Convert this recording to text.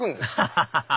ハハハハ！